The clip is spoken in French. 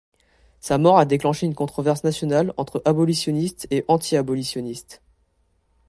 Sa mort a déclenché une controverse nationale entre abolitionnistes et anti-abolitionnistes.